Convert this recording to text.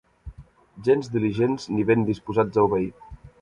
Gens diligents ni ben disposats a obeir.